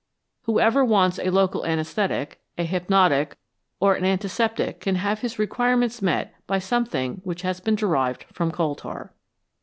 Whoever wants a local anaesthetic, a hypnotic, or an antiseptic can have his requirements met by some thing which has been derived from coal tar.